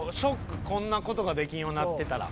こんなことができんようになってたら。